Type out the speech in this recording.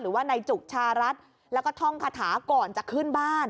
หรือว่านายจุกชารัฐแล้วก็ท่องคาถาก่อนจะขึ้นบ้าน